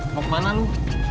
mau kemana lu